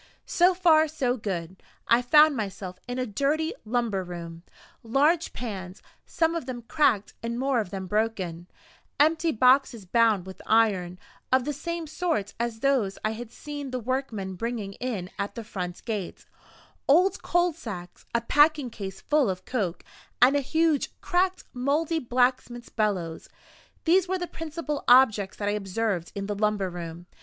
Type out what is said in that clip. So far, so good I found myself in a dirty lumber room. Large pans, some of them cracked and more of them broken; empty boxes bound with iron, of the same sort as those I had seen the workmen bringing in at the front gate; old coal sacks; a packing case full of coke; and a huge, cracked, mouldy blacksmith's bellows these were the principal objects that I observed in the lumber room.